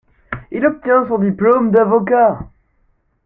Il obtient son diplôme d’avocat.